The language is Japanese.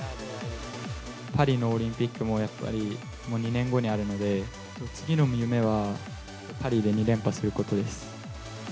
パリのオリンピックもやっぱり、２年後にあるので、次の夢はパリで２連覇することです。